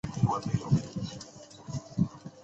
北方町为岐阜县的町。